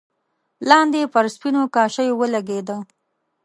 لاندې پر سپينو کاشيو ولګېده.